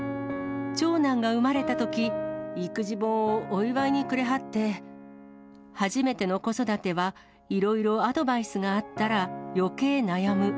長男が産まれたとき、育児本をお祝いにくれはって、初めての子育ては、いろいろアドバイスがあったらよけい悩む。